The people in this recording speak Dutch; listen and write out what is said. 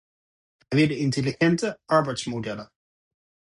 Wij willen intelligente arbeidsmodellen.